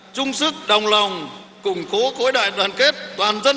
chung sức đồng lòng củng cố khối đại đoàn kết toàn dân